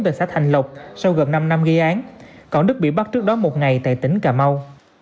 tại xã thành lộc sau gần năm năm gây án còn đức bị bắt trước đó một ngày tại tỉnh cà mau